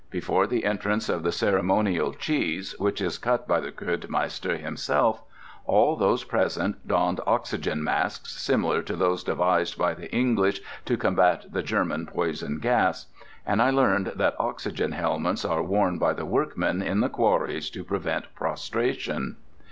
Before the entrance of the ceremonial cheese, which is cut by the Kurdmeister himself, all those present donned oxygen masks similar to those devised by the English to combat the German poison gas. And I learned that oxygen helmets are worn by the workmen in the quarries to prevent prostration.